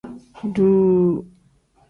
Duu.